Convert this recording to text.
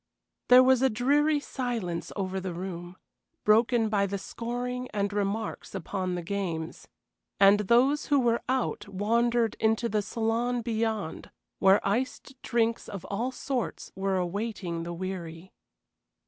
There was a dreary silence over the room, broken by the scoring and remarks upon the games, and those who were out wandered into the saloon beyond, where iced drinks of all sorts were awaiting the weary.